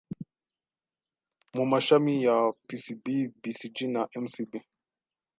mu mashami ya pcb, bcg na mcb